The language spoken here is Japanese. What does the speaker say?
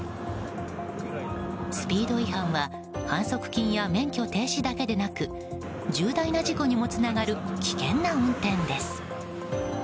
スピード違反は反則金や免許停止だけでなく重大な事故にもつながる危険な運転です。